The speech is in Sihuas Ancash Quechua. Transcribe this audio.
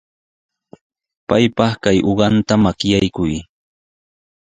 Paypaq kaq uqanta makaykuy.